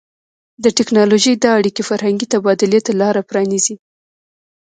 د ټیکنالوژۍ دا اړیکې فرهنګي تبادلې ته لار پرانیزي.